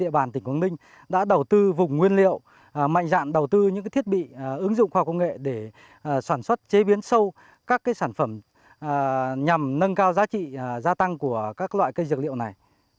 địa bàn tỉnh quảng ninh đã đầu tư vùng nguyên liệu mạnh dạng đầu tư những thiết bị ứng dụng khoa học công nghệ để sản xuất chế biến sâu các sản phẩm nhằm nâng cao giá trị gia tăng của các loại cây dược liệu này